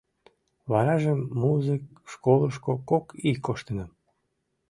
— Варажым музык школышко кок ий коштынам.